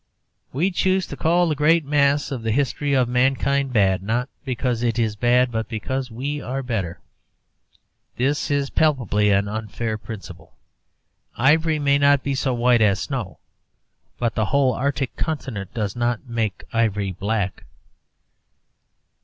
We choose to call the great mass of the history of mankind bad, not because it is bad, but because we are better. This is palpably an unfair principle. Ivory may not be so white as snow, but the whole Arctic continent does not make ivory black.